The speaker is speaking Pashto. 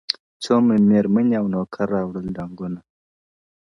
څو مېرمني او نوکر راوړل ډانګونه!!